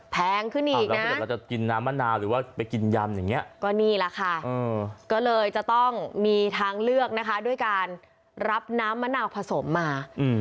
แพงขึ้นอีกนะก็เลยจะต้องมีทางเลือกนะคะด้วยการรับน้ำมะนาวผสมมา